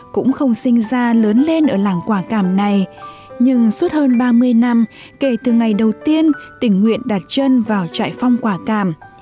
cũng không sinh ra lớn lên ở làng quả cảm này nhưng suốt hơn ba mươi năm kể từ ngày đầu tiên tỉnh nguyện đặt chân vào trại phong quả cảm